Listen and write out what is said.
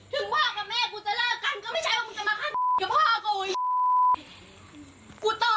ถึงพ่อกับแม่กูจะเลิกกันก็ไม่ใช่ว่ากูจะมาฆ่าอย่าพ่อกันโอ้ย